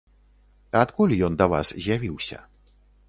Адкуль ён да вас з'явіўся?